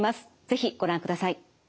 是非ご覧ください。